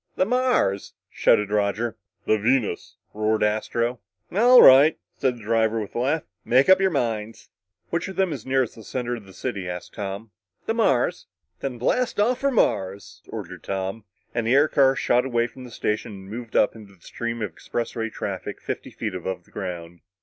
"The Mars," shouted Roger. "The Venus!" roared Astro. "All right," said the driver with a laugh, "make up your minds." "Which of 'em is nearest the center of the city?" Tom asked. "The Mars." "Then blast off for Mars!" ordered Tom, and the air car shot away from the station and moved up into the stream of expressway traffic fifty feet above the ground.